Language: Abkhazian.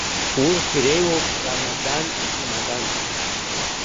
Урҭ иреиуоуп Рамадан ичамадан.